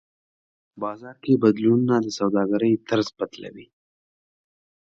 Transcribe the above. بازار کې بدلونونه د سوداګرۍ طرز بدلوي.